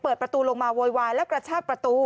เปิดประตูลงมาโวยวายแล้วกระชากประตู